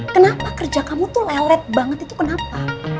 kenapa kerja kamu tuh lelet banget itu kenapa